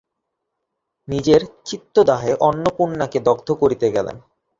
নিজের চিত্তদাহে অন্নপূর্ণাকে দগ্ধ করিতে গেলেন।